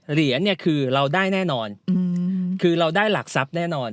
เหรียญเนี่ยคือเราได้แน่นอนคือเราได้หลักทรัพย์แน่นอน